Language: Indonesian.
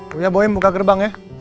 dulu ya bawa im buka gerbang ya